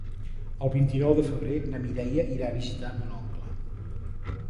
El vint-i-nou de febrer na Mireia irà a visitar mon oncle.